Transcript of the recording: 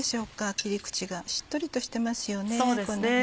切り口がしっとりとしてますよね。